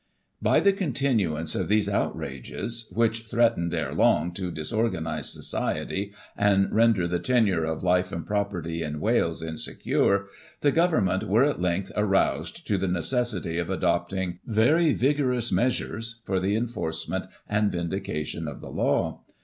" By the continuance of these outrages, which threatened, 'ere long, to disorganise society, and render the tenure of life and property, in Wales, insecure, the Government were, at length, aroused to the necessity of adopting very vigorous measures for the enforcement and vindication of the law.